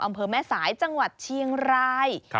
อำเภอแม่สายจังหวัดเชียงราย